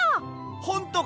ほんとか！？